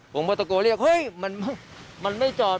ผมก็ตะโกนเรียกเฮ้ยมันไม่จอด